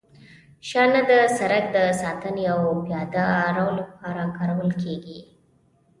شانه د سرک د ساتنې او پیاده رو لپاره کارول کیږي